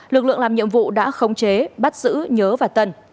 lực lượng làm nhiệm vụ đã khống chế bắt giữ nhớ và tân